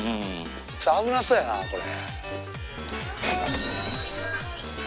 危なそうやなこれ。